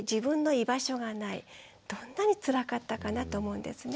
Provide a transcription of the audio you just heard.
どんなにつらかったかなと思うんですね。